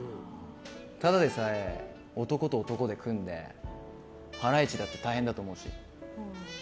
ただでさえ、男と男で組んでハライチだって大変だと思うし。